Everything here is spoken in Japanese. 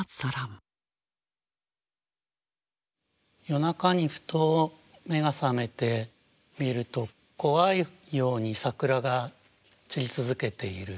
夜中にふと目が覚めて見ると怖いように桜が散り続けている。